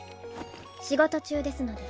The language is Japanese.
仕事中ですので。